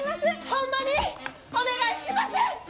ホンマにお願いします！